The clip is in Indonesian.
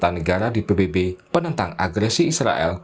dan negara di pbb penentang agresi israel